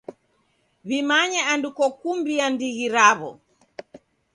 W'imanye andu kokumbia ndighi raw'o.